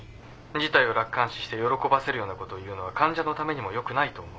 事態を楽観視して喜ばせるようなことを言うのは患者のためにもよくないと思う。